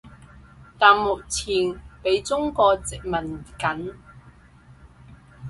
但目前畀中國殖民緊